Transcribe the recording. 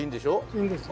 いいんです。